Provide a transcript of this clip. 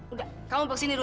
udah kamu bawa sini dulu